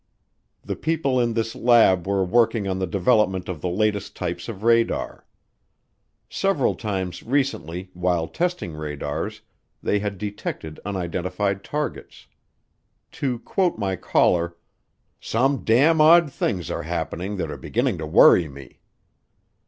The people in this lab were working on the development of the latest types of radar. Several times recently, while testing radars, they had detected unidentified targets. To quote my caller, "Some damn odd things are happening that are beginning to worry me."